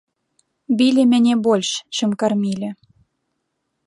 Білі мяне больш, чым кармілі.